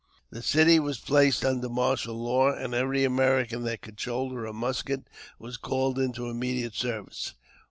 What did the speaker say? The city wi placed under martial law, and every American that couI< shoulder a musket was called into immediate service.